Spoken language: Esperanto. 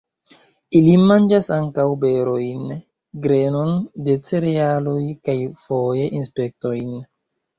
Ili manĝas ankaŭ berojn, grenon de cerealoj kaj foje insektojn.